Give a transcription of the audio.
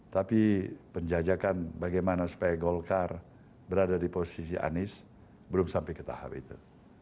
tapi penjajakan bagaimana supaya golkar berada di posisi anies belum sampai ke tahap itu